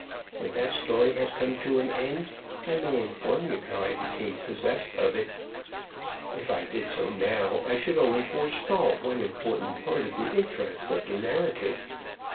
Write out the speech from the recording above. When that story has come to an end, I may inform you how I became possessed of it. If I did so now, I should only forestall one important part of the interest of the narrative.